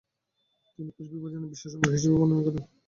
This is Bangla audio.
তিনি কোষ বিভাজনের বিশেষ অঙ্গ হিসাবে বর্ণনা করেন।